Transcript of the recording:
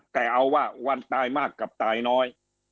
แต่เอาว่าวันตายมากกับตายน้อย